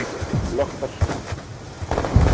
Blog personal.